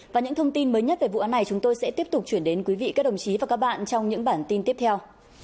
và những thông tin mới nhất về vụ án này chúng tôi sẽ tiếp tục chuyển đến quý vị các đồng chí và các bạn trong những bản tin tiếp theo